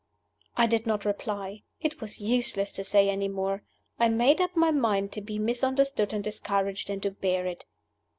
I did not reply. It was useless to say any more. I made up my mind to be misunderstood and discouraged, and to bear it.